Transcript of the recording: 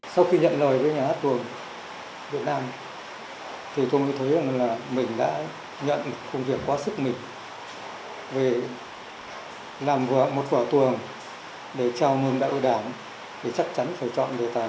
sau khi nhận lời với nhà hát tuồng việt nam thì tôi mới thấy rằng là mình đã nhận công việc quá sức mình về làm một vở tuồng để chào mừng đại hội đảng thì chắc chắn phải chọn đề tài